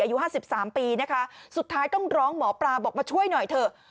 อายุห้าสิบสามปีนะคะสุดท้ายต้องร้องหมอปลาบอกมาช่วยหน่อยเถอะ